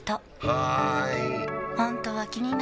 はーい！